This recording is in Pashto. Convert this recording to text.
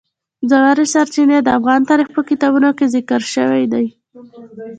ژورې سرچینې د افغان تاریخ په کتابونو کې ذکر شوی دي.